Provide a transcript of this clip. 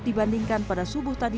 dibandingkan pada subuh tadi